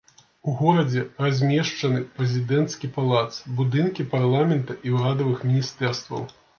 У горадзе размешчаны прэзідэнцкі палац, будынкі парламента і ўрадавых міністэрстваў.